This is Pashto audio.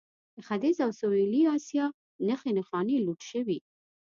د ختیځ او سویلي اسیا نښې نښانې لوټ شوي.